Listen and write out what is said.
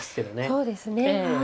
そうですねはい。